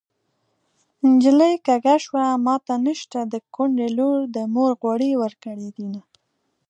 نجلۍ کږه شوه ماته نشته د کونډې لور ده مور غوړي ورکړې دينه